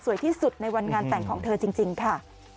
ที่สุดในวันงานแต่งของเธอจริงค่ะ